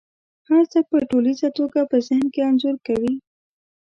هر څه په ټوليزه توګه په ذهن کې انځور کوي.